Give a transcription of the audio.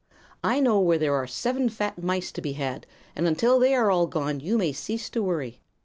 I know where there are seven fat mice to be had, and until they are all gone you may cease to worry."